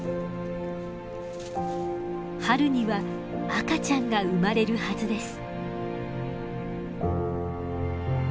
春には赤ちゃんが生まれるはずです。